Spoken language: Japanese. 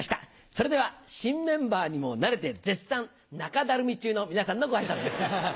それでは新メンバーにも慣れて絶賛中だるみ中の皆さんのご挨拶です。